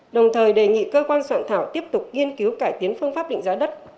đồng thời đề nghị cơ quan soạn thảo tiếp tục nghiên cứu cải tiến phương pháp định giá đất